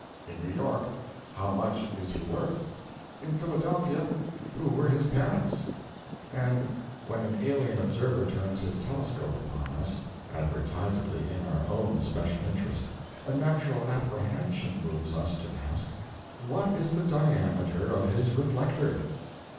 in New York, How much is he worth? in Philadelphia, Who were his parents? And when an alien observer turns his telescope upon us advertisedly in our own special interest a natural apprehension moves us to ask, What is the diameter of his reflector?